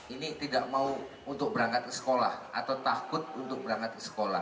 ini tidak mau untuk berangkat ke sekolah atau takut untuk berangkat ke sekolah